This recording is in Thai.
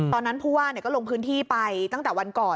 ตอนนั้นผู้อ้านก็ลงพื้นที่ไปตั้งแต่วันก่อน